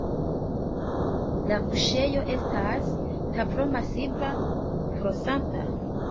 La kuŝejo estas tavolo-masiva, flosanta.